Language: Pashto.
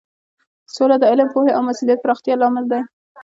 سوله د علم، پوهې او مسولیت پراختیا لامل دی.